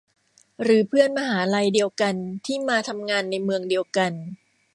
หรือเพื่อนมหาลัยเดียวกันที่มาทำงานในเมืองเดียวกัน